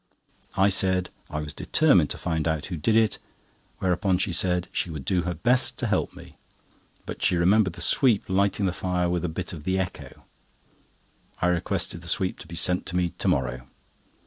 I said I was determined to find out who did it, whereupon she said she would do her best to help me; but she remembered the sweep lighting the fire with a bit of the Echo. I requested the sweep to be sent to me to morrow.